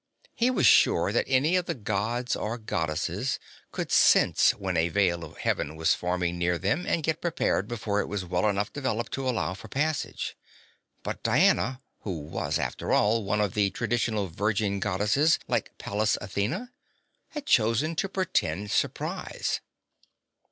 He was sure that any of the Gods or Goddesses could sense when a Veil of Heaven was forming near them, and get prepared before it was well enough developed to allow for passage. But Diana who was, after all, one of the traditionally virgin Goddesses, like Pallas Athena had chosen to pretend surprise.